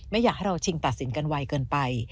ไม่อยากให้เราชิงตัดสินกันไวเกินไป